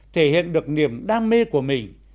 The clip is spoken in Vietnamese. thể hiện được niềm đam mê của mình